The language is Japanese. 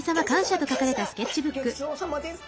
ギョちそうさまです。